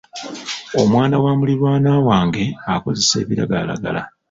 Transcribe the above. Omwana wa muliraanwa wange akozesa ebiragalalagala.